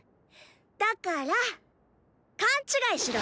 だから「勘違い」しろ。